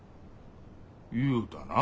言うたな。